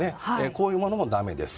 こういうものもだめです。